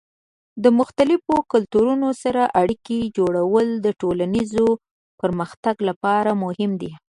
د مختلفو کلتورونو سره اړیکې جوړول د ټولنیز پرمختګ لپاره مهم دي.